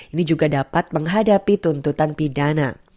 ini juga dapat menghadapi tuntutan pidana